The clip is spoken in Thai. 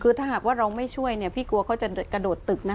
คือถ้าหากว่าเราไม่ช่วยเนี่ยพี่กลัวเขาจะกระโดดตึกนะ